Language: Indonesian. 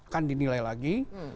kan dinilai lagi